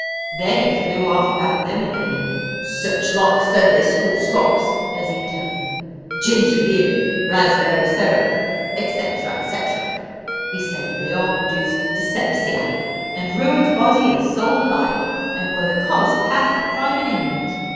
Then he flew off about lemonade, and "such like Sunday school slops," as he termed them, ginger beer, raspberry syrup, &c., &c. He said they all produced dyspepsia, and ruined body and soul alike, and were the cause of half the crime in England.